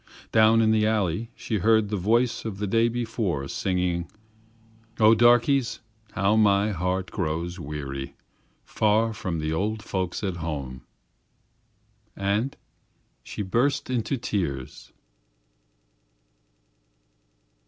Down in the alley she heard the voice of the day before singing: "Oh, darkies, how my heart grows weary, Far from the old folks at home." And she burst into tears.